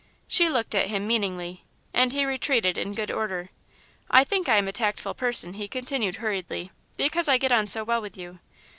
She looked at him, meaningly, and he retreated in good order. "I think I'm a tactful person," he continued, hurriedly, "because I get on so well with you.